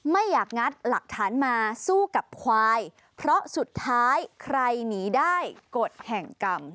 ไม่อยากงัดหลักฐานมาสู้กับควายเพราะสุดท้ายใครหนีได้กฎแห่งกรรม